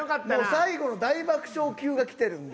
最後の大爆笑級がきてるんで。